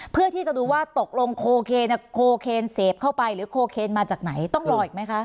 เพื่อที่จะดูว่าตกลงโคเคนโคเคนเสพเข้าไปหรือโคเคนมาจากไหนต้องรออีกไหมคะ